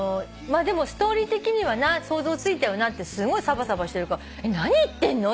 「まあでもストーリー的にはな想像ついたよな」ってすごいサバサバしてるから何言ってんの！？